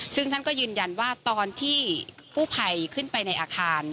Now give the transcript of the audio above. ซึ่งท่านก็ยืนยันว่าตอนที่กู้ภัยขึ้นไปในอาคาร